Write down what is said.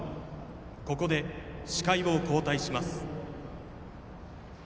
ここで司会を交代します。